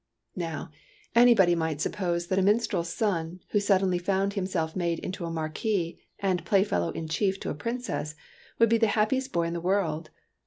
Now, anybody might suppose that a min strel's son, who suddenly found himself made into a Marquis and Playfellow in chief to a Princess, would be the happiest boy in the world.